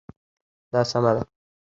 دا سمه ده